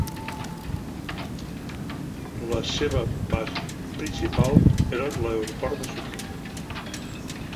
La seva base principal era l'aeroport de Sofia.